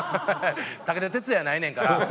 武田鉄矢やないねんから。